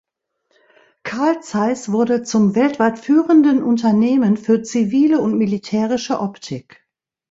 Carl Zeiss wurde zum weltweit führenden Unternehmen für zivile und militärische Optik.